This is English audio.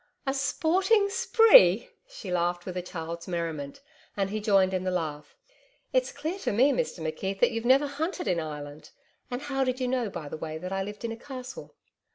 'A sporting spree!' She laughed with a child's merriment, and he joined in the laugh, 'It's clear to me, Mr McKeith, that you've never hunted in Ireland. And how did you know, by the way, that I'd lived in a castle?'